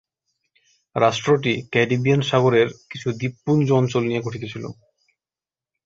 রাষ্ট্রটি Caribbean সাগরের কিছু দ্বীপপুঞ্জ অঞ্চল নিয়ে গঠিত ছিল।